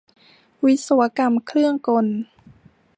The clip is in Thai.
วิศวกรรมเครื่องกล